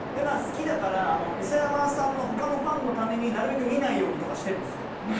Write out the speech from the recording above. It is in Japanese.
まあ好きだから磯山さんの他のファンのためになるべく見ないようにとかしてるんすよ。